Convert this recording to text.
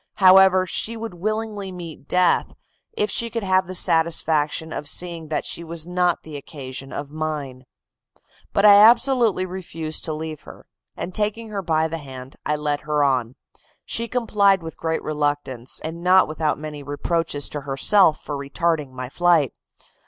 However, she would willingly meet death, if she could have the satisfaction of seeing that she was not the occasion of mine. But I absolutely refused to leave her, and taking her by the hand, I led her on; she complied with great reluctance, and not without many reproaches to herself for retarding my flight.